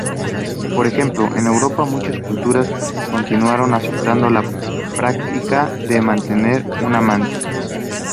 Por ejemplo, en Europa, muchas culturas continuaron aceptando la práctica de mantener una amante.